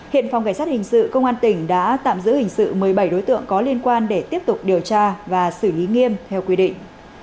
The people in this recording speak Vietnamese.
hiện phòng cảnh sát hình sự công an tỉnh đã tạm giữ hình sự một mươi bảy đối tượng có liên quan để tiếp tục điều tra và xử lý nghiêm theo quy định